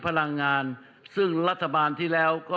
เพาะแสบบันทึกนี่ล๊อค